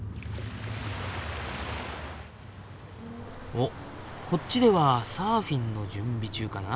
おっこっちではサーフィンの準備中かな。